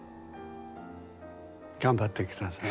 頑張ってください。